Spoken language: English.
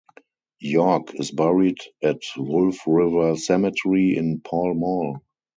York is buried at Wolf River Cemetery in Pall Mall.